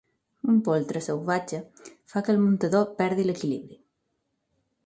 Un poltre salvatge fa que el muntador perdi l'equilibri.